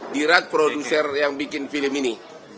dirat produser yang bikin film ini